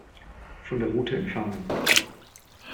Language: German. Von der Route entfernen.